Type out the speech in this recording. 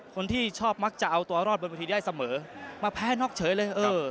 คนที่ชอบมักจะเอาตัวรอดบนวิธีได้เสมอมาแพ้น็อกเฉยเลยเออ